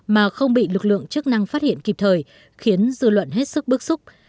mà không bị lực lượng chức năng phát hiện kịp thời khiến dư luận hết sức bức xúc